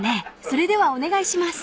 それではお願いします］